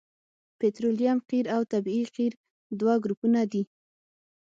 پطرولیم قیر او طبیعي قیر دوه ګروپونه دي